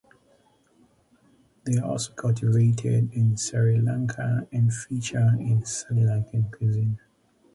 They are also cultivated in Sri Lanka and feature in Sri Lankan cuisine.